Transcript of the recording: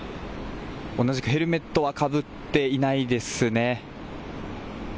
同じくヘルメットはかぶっていないですね。